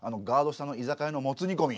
下の居酒屋のもつ煮込み。